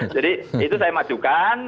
jadi itu saya majukan